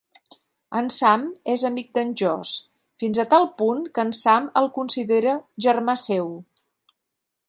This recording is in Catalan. En Sam és amic d'en Josh, fins a tal punt que en Sam el considera germà seu.